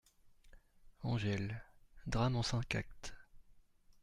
=Angèle.= Drame en cinq actes.